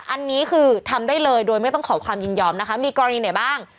อันนี้คือทำได้เลยโดยไม่ต้องขอความยินยอมนะคะมีกรณีไหนบ้าง